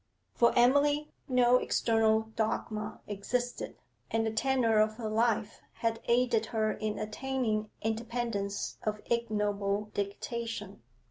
For Emily no external dogma existed, and the tenor of her life had aided her in attaining independence of ignoble dictation.